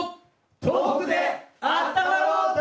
「東北であったまろう旅」！